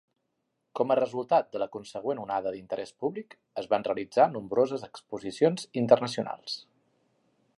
Com a resultat de la consegüent onada d'interès públic, es van realitzar nombroses exposicions internacionals.